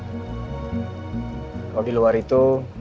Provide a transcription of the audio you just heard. kalau di luar itu